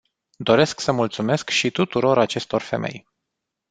Doresc să mulțumesc și tuturor acestor femei.